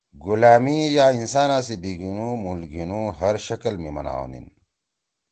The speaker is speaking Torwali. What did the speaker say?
گُلأمی یا انسانا سی بیِگینُو مُل گھیِنُو ہر شکل می منع ہونِین۔